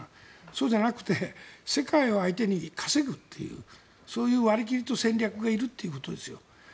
そうじゃなくて世界を相手に稼ぐというそういう割り切りと戦略がいるということですよ。